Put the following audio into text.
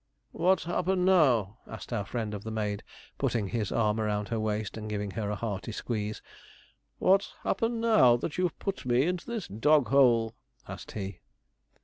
'What's happened now?' asked our friend of the maid, putting his arm round her waist, and giving her a hearty squeeze. 'What's happened now, that you've put me into this dog hole?' asked he.